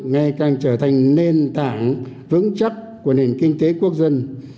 ngày càng trở thành nền tảng vững chắc của nền kinh tế quốc dân